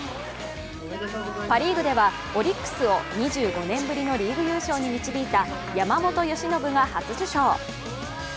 パ・リーグでは、オリックスを２５年ぶりのリーグ優勝に導いた山本由伸が初受賞。